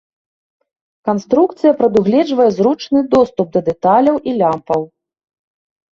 Канструкцыя прадугледжвае зручны доступ да дэталяў і лямпаў.